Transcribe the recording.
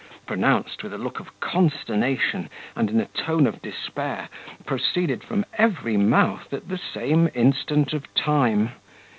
pronounced with a look of consternation, and in a tone of despair, proceeded from every mouth at the same instant of time.